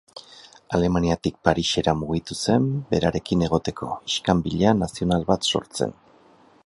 Alemaniatik Parisera mugitu zen berarekin egoteko, iskanbila nazional bat sortzen.